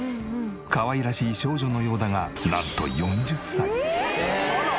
かわいらしい少女のようだがなんと４０歳！